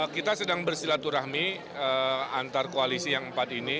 kita sedang bersilaturahmi antar koalisi yang empat ini